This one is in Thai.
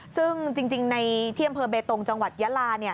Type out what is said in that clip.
ซึ่งจริงในที่อำเภอเบตงจังหวัดยาลา